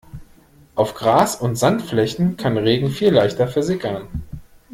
Auf Gras- und Sandflächen kann Regen viel leichter versickern.